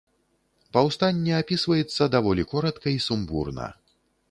Паўстанне апісваецца даволі коратка і сумбурна.